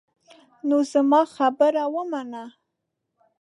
نو زما خبره ومنه.